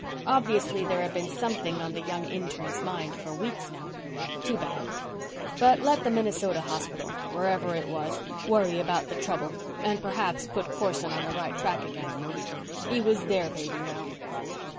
Obviously there had been something on the young intern's mind for weeks now. Too bad. But let the Minnesota hospital, wherever it was, worry about the trouble and perhaps put Corson on the right track again. He was their baby now.